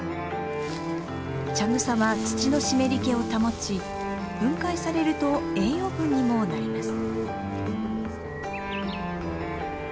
茶草は土の湿り気を保ち分解されると栄養分にもなります。